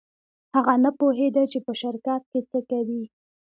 هغه نه پوهېده چې په شرکت کې څه کوي.